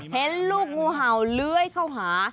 เห็นลูกงูเห่าเลื้อยเข้าหา